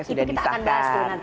itu kita akan bahas dulu nanti